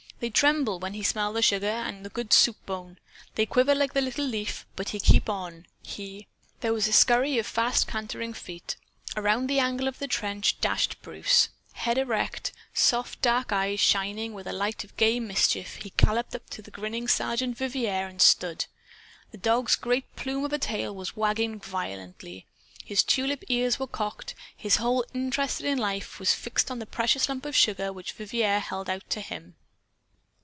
They tremble, when he smell the sugar and the good soup bone. They quiver like the little leaf. But he keep on. He " There was a scurry of fast cantering feet. Around the angle of the trench dashed Bruce. Head erect, soft dark eyes shining with a light of gay mischief, he galloped up to the grinning Sergeant Vivier and stood. The dog's great plume of a tail was wagging violently. His tulip ears were cocked. His whole interest in life was fixed on the precious lump of sugar which Vivier held out to him.